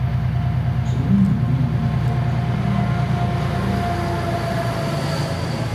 Kirungi nnyo omulunzi okufuuyira embuzi ze okusobola okuzigobako enkwa.